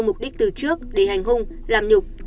mục đích từ trước để hành hung làm nhục